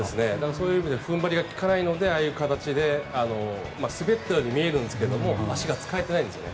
そういう意味で踏ん張りがきかないのでああいう形で滑ったように見えるんですけど足が使えてないんですよね。